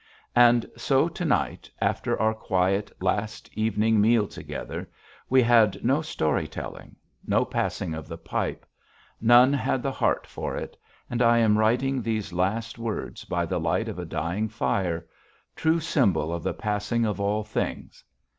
And so, to night, after our quiet, last evening meal together, we had no story telling, no passing of the pipe; none had the heart for it; and I am writing these last words by the light of a dying fire, true symbol of the passing of all things.